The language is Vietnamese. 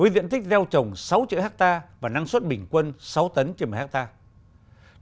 với diện tích gieo trồng sáu triệu hectare và năng suất bình quân sáu tấn trên một mươi hectare